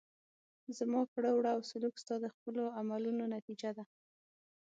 زما کړه وړه او سلوک ستا د خپلو عملونو نتیجه ده.